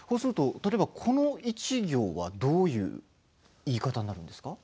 例えばこの１行はどういう言い方になるんですか。